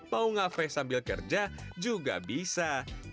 mau ngafe sambil kerja juga bisa